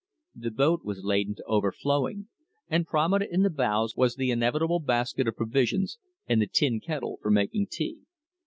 The boat was laden to overflowing, and prominent in the bows was the inevitable basket of provisions and the tin kettle for making tea.